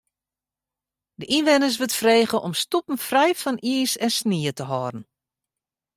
De ynwenners wurdt frege om stoepen frij fan iis en snie te hâlden.